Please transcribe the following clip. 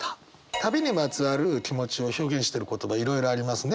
旅にまつわる気持ちを表現してる言葉いろいろありますね。